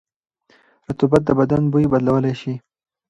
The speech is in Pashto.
رطوبت د بدن بوی بدلولی شي.